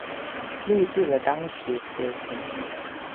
錄裂了當時的情形